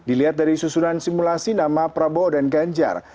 dilihat dari susunan simulasi nama prabowo dan ganjar